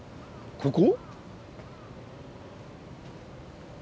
ここ。